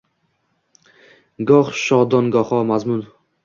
Goh shodongoho mahzun